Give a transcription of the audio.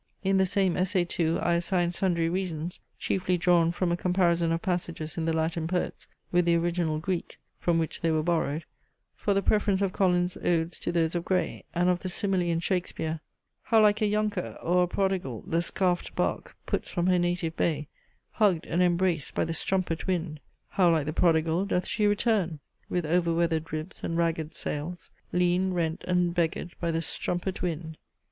In the same essay too, I assigned sundry reasons, chiefly drawn from a comparison of passages in the Latin poets with the original Greek, from which they were borrowed, for the preference of Collins's odes to those of Gray; and of the simile in Shakespeare How like a younker or a prodigal The scarfed bark puts from her native bay, Hugg'd and embraced by the strumpet wind! How like the prodigal doth she return, With over weather'd ribs and ragged sails, Lean, rent, and beggar'd by the strumpet wind!